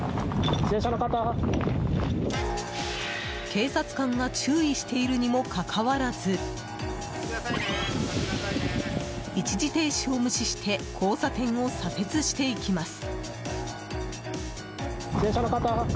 警察官が注意しているにもかかわらず一時停止を無視して交差点を左折していきます。